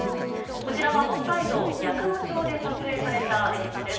こちらは北海道八雲町で撮影された映像です。